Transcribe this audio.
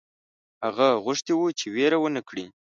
هغه غوښتي وه چې وېره ونه کړي.